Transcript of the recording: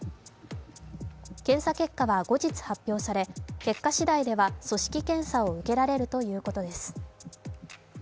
検査結果は後日発表され、結果しだいでは組織検査を受けられるということです。